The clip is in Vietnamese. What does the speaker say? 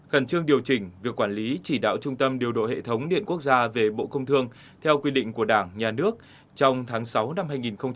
khẩn trương điều chỉnh việc quản lý chỉ đạo trung tâm điều độ hệ thống điện quốc gia về bộ công thương theo quy định của đảng nhà nước trong tháng sáu năm hai nghìn hai mươi